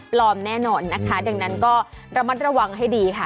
แน่นอนนะคะดังนั้นก็ระมัดระวังให้ดีค่ะ